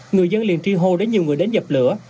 người dân liền tri hô để nhiều người đến dập lửa